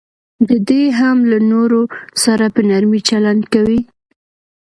دی دې هم له نورو سره په نرمي چلند کوي.